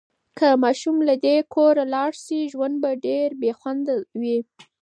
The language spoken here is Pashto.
که ماشوم له دې کوره لاړ شي، ژوند به ډېر بې خونده وي.